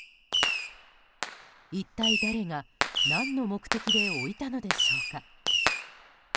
一体誰が何の目的で置いたのでしょうか。